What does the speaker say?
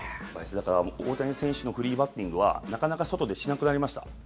だから大谷選手のフリーバッティングはなかなか外でしなくなりました。